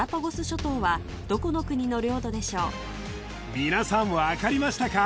皆さん分かりましたか？